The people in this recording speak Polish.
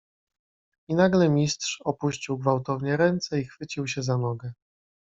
"I nagle Mistrz opuścił gwałtownie ręce i chwycił się za nogę."